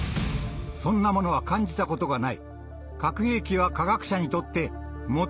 そんなものは感じたことがない。